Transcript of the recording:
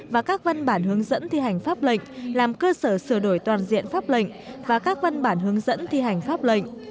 và các văn bản hướng dẫn thi hành pháp lệnh làm cơ sở sửa đổi toàn diện pháp lệnh và các văn bản hướng dẫn thi hành pháp lệnh